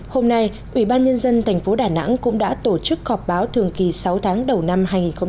hôm nay ủy ban nhân dân tp đà nẵng cũng đã tổ chức họp báo thường kỳ sáu tháng đầu năm hai nghìn một mươi bảy